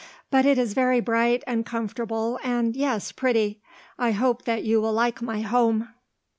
But it is very bright and comfortable and, yes, pretty. I hope that you will like my home."